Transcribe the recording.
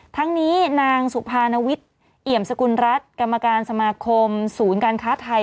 ทั้งนี้นางสุภานวิทย์เอี่ยมสกุลรัฐกรรมการสมาคมศูนย์การค้าไทย